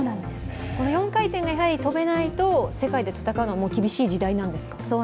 この４回転が跳べないと、世界で戦うには厳しい時代なんですか？